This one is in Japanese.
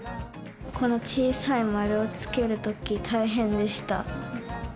この小さい丸を付けるとき大変でした